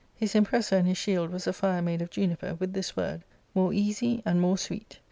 His impressa in his shield was a fire made of juniper, with tliis word, "More easy and more sweet."